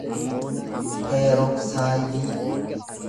peeroksaayidii